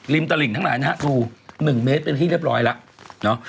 ริมตระลิ่งทั้งหลายตัว๑เมตรเป็นที่เรียบร้อยแล้ว